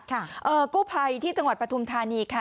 ค่ะเอ่อกู้ภัยที่จังหวัดปทุมธานีค่ะ